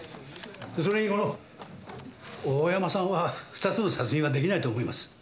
それにこの大山さんは２つの殺人は出来ないと思います。